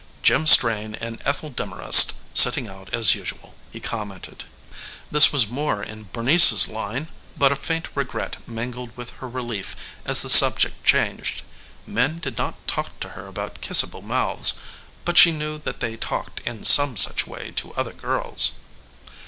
"Jim Strain and Ethel Demorest sitting out as usual," he commented. This was more in Bernice's line, but a faint regret mingled with her relief as the subject changed. Men did not talk to her about kissable mouths, but she knew that they talked in some such way to other girls.